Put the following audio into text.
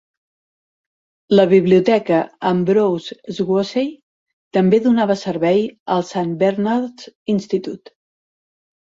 La Biblioteca Ambrose Swasey també donava servei al Saint Bernard's Institute.